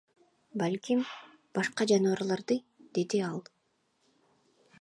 Балким, башка жаныбарларды, — деди ал.